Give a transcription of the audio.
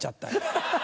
ハハハ！